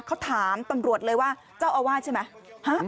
เขาถามตำรวจเลยว่าเจ้าอาวาสใช่ไหม